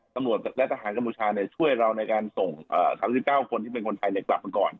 ตำรวจและทหารกัมพูชาช่วยเราในการส่ง๓๙คนที่เป็นคนไทยกลับมาก่อน